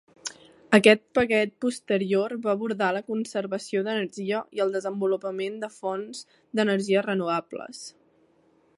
Aquest paquet posterior va abordar la conservació d'energia i el desenvolupament de fonts d'energia renovables.